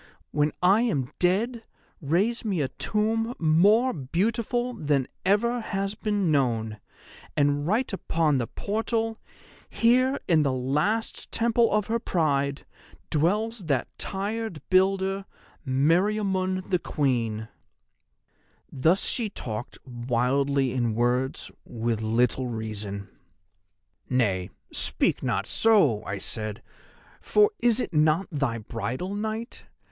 When I am dead, raise me a tomb more beautiful than ever has been known, and write upon the portal, Here, in the last temple of her pride, dwells that tired builder, Meriamun, the Queen.' "Thus she talked wildly in words with little reason. "'Nay, speak not so,' I said, 'for is it not thy bridal night?